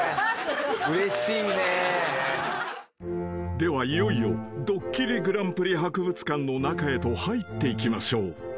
［ではいよいよドッキリＧＰ博物館の中へと入っていきましょう］